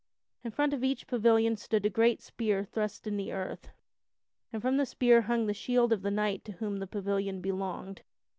In front of each pavilion stood a great spear thrust in the earth, and from the spear hung the shield of the knight to whom the pavilion belonged.